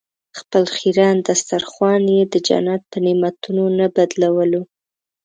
خپل خیرن دسترخوان یې د جنت په نعمتونو نه بدلولو.